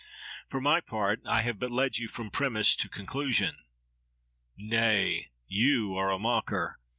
For my part, I have but led you from premise to conclusion. —Nay! you are a mocker!